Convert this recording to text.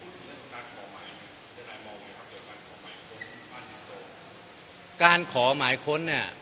เรื่องของเวลาการขอหมายค้นแล้วก็ขอหันตอบ